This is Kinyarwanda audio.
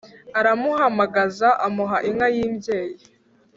aramuhamagaza, amuha inka y'imbyeyi